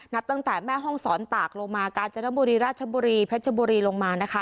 ตั้งแต่แม่ห้องศรตากลงมากาญจนบุรีราชบุรีเพชรบุรีลงมานะคะ